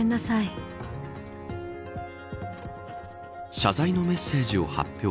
謝罪のメッセージを発表。